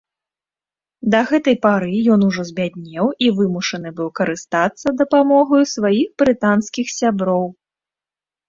Да гэтай пары ён ужо збяднеў і вымушаны быў карыстацца дапамогаю сваіх брытанскіх сяброў.